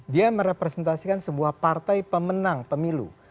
dia merepresentasikan sebuah partai pemenang pemilu